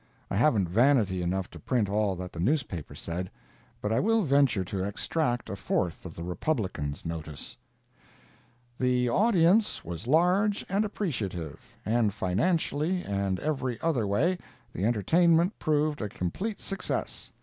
I haven't vanity enough to print all that the newspapers said, but I will venture to extract a fourth of the Republican's notice: "The audience was large and appreciative, and financially and every other way, the entertainment proved a complete success.